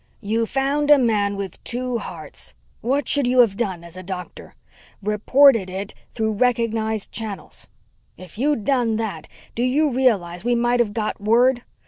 "You found a man with two hearts. What should you have done as a doctor? Reported it through recognized channels. If you'd done that, do you realize we might have got word?